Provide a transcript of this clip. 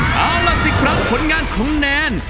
เอาล่ะสิครับผลงานของแนน